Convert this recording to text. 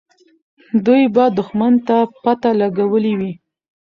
دوی به دښمن ته پته لګولې وي.